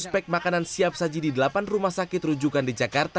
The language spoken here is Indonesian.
dua puluh enam lima ratus pak makanan siap saji di delapan rumah sakit rujukan di jakarta